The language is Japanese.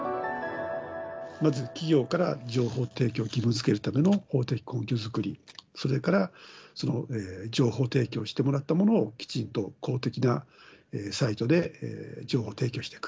まず企業から情報提供を義務づけるための法的根拠作り、それから、その情報提供してもらったものを、きちんと公的なサイトで情報提供していく。